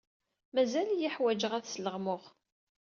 Mazal-iyi ḥwajeɣ ad sleɣmuɣ.